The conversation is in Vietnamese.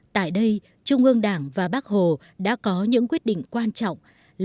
tại đây trung ương đảng và bác hồ đã có những quyết định quan trọng